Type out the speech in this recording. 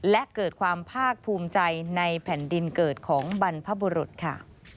และเกิดความภาคภูมิใจในแผ่นดินเกิดของบรรพบุรุษค่ะ